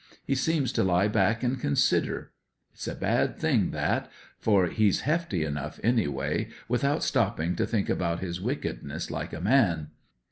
He seems to lie back an' consider. It's a bad thing that, for he's hefty enough, anyway, without stopping to think out his wickedness like a man.